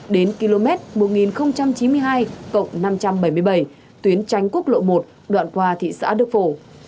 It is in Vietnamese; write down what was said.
đến km một nghìn chín mươi hai năm trăm bảy mươi bảy tuyến tránh quốc lộ một đoạn qua thị xã đức phổ